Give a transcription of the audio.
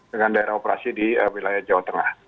dengan daerah operasi di wilayah jawa tengah